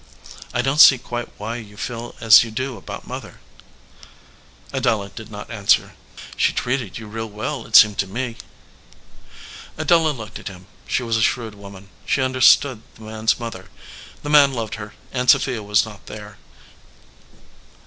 "I don t see quite why you feel as you do about Mother." Adela did not answer. "She treated you real well, it seemed to me." Adela looked at him. She was a shrewd woman. She understood the man s mother. The man loved her, and Sophia was not there.